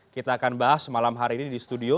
kita akan bahas malam hari ini di studio